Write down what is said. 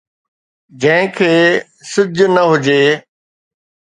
جنهن کي سج نه هجي